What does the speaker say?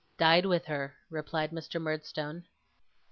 'Died with her,' replied Mr. Murdstone.